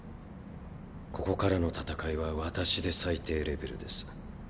ここからの戦いは私で最低レベルです。